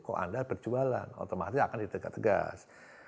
kok anda berjualan otomatis akan ditegas